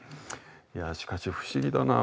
いやしかし不思議だな。